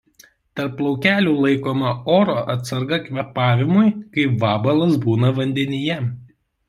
Tarp plaukelių laikoma oro atsarga kvėpavimui kai vabalas būna vandenyje.